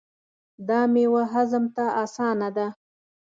دا میوه هضم ته اسانه ده.